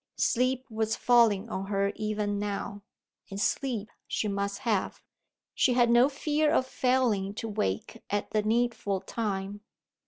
Sleep was falling on her even now and sleep she must have. She had no fear of failing to wake at the needful time.